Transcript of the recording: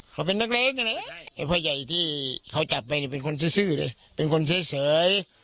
เขาเป็นนักเลงไอ้พ่อใหญ่ที่เขาจับไปเนี่ยเป็นคนซื้อเลยเป็นคนเฉย